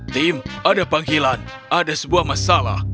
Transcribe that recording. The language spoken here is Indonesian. tim ada panggilan ada sebuah masalah